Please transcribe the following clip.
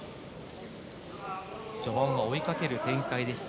序盤は追いかける展開でした。